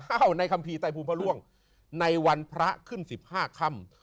อ้าวในคัมภีร์ใจภูมิพระร่วงในวันพระขึ้นสิบห้าค่ำ